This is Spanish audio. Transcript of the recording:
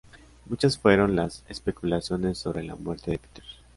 Muchas fueron las especulaciones sobre la muerte de Peter.